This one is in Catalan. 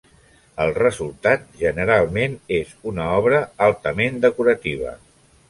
El resultat generalment és una obra altament decorativa.